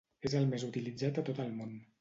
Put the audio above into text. És el més utilitzat a tot el món.